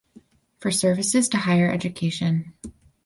For services to Higher Education.